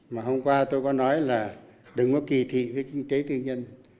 mà hôm qua tôi có nói là đừng có kỳ thị với kinh tế tư nhân